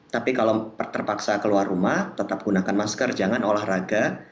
tapi kalau terpaksa keluar rumah tetap gunakan masker jangan olahraga